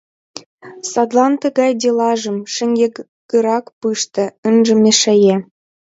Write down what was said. Садлан тыгай «делажым» шеҥгекырак пыште, ынже мешае.